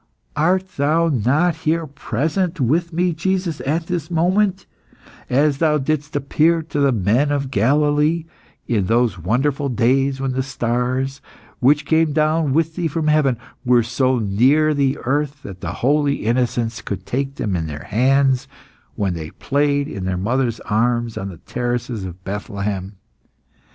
Art Thou not here present with me, Jesus, at this moment, as Thou didst appear to the men of Galilee, in those wonderful days when the stars, which came down with thee from heaven, were so near the earth that the holy innocents could take them in their hands, when they played in their mothers' arms on the terraces of Bethlehem?